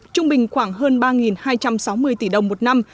trung bình khoảng hơn ba hai trăm sáu mươi tỷ đồng một năm